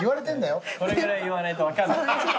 これぐらい言わないと分かんない。